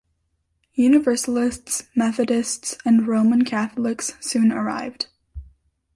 Universalists, Methodists and Roman Catholics soon arrived.